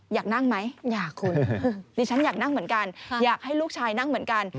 อยากนั่งไหมอยากคุณดิฉันอยากนั่งเหมือนกันอยากให้ลูกชายนั่งเหมือนกัน